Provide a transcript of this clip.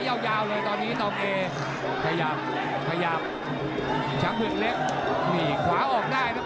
ยังอยากตีนซ้ายนำไหม